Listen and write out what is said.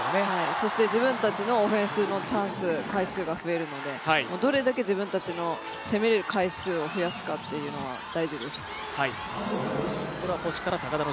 そして自分たちのオフェンスのチャンス回数が増えるのでどれだけ自分たちの攻めれる回数を増やすかというのは大事です。